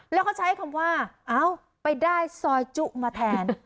แล้วเขาใช้คำว่าเอ้าไปได้ซอยจุมาแทน